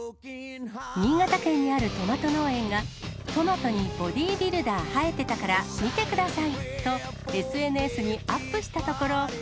新潟県にあるトマト農園が、トマトにボディービルダー生えてたから見てくださいと、ＳＮＳにアップしたところ。